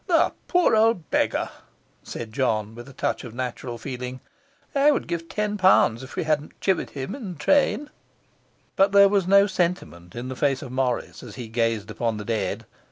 'The poor old beggar!' said John, with a touch of natural feeling; 'I would give ten pounds if we hadn't chivvied him in the train!' But there was no sentiment in the face of Morris as he gazed upon the dead.